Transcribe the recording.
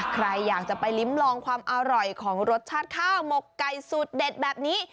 ใครอยากจะไปลิ้มลองความอร่อยของรสชาติข้าวหมกไก่สูตรเด็ดแบบนี้